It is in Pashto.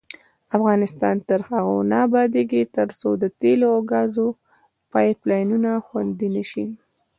افغانستان تر هغو نه ابادیږي، ترڅو د تیلو او ګازو پایپ لاینونه خوندي نشي.